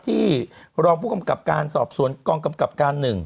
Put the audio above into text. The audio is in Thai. รองผู้กำกับการสอบสวนกองกำกับการ๑